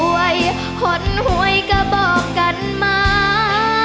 คนหวยก็บอกกันมา